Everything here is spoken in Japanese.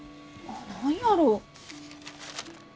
何やろう？